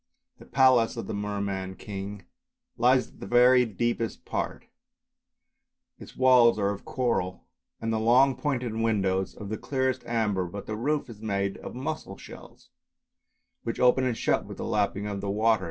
The palace of the Merman King lies in the very deepest part; its walls are of coral and the long pointed windows of the clearest amber, but the roof is made of mussel shells which open and shut with the lapping of the water.